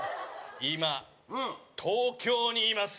今東京にいます